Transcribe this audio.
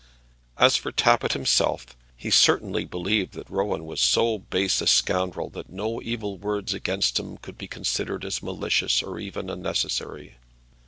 As for Tappitt himself, he certainly believed that Rowan was so base a scoundrel that no evil words against him could be considered as malicious or even unnecessary.